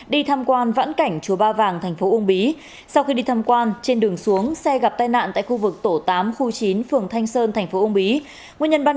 xin chào các bạn